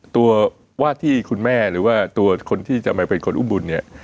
ว่าที่คุณแม่หรือว่าตัวคนที่จะมาเป็นคนอุ้มบุญเนี่ย